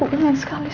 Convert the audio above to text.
aku enak sekali